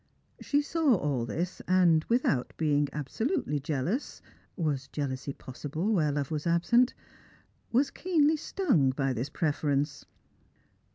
She saw all this, and without being absolutely jealous — was jealousy possible where love was absent? — was keenly stung by this preference.